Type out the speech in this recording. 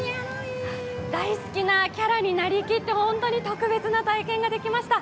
大好きなキャラになりきって、本当に特別な体験ができました。